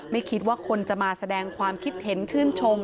ไม่คิดว่าคนจะมาแสดงความคิดเห็นชื่นชม